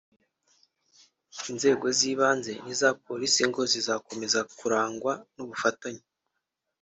Inzego z’ibanze n’iza polisi ngo zizakomeza kurangwa n’ubufatanye